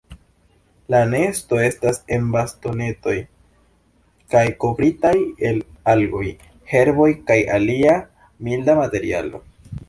La nesto estas el bastonetoj kaj kovritaj el algoj, herboj kaj alia milda materialo.